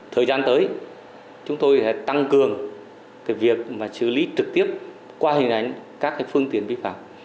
thời gian tới chúng tôi sẽ tăng cường việc xử lý trực tiếp qua hình ảnh các phương tiện vi phạm